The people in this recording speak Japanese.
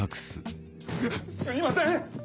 すいません！